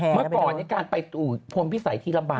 เมื่อก่อนภงพิสัยที่รำบาก